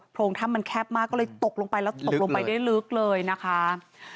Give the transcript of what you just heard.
โรงถ้ำมันแคบมากก็เลยตกลงไปแล้วตกลงไปได้ลึกเลยนะคะ